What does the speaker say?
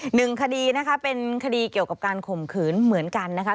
หนึ่งคดีนะคะเป็นคดีเกี่ยวกับการข่มขืนเหมือนกันนะคะ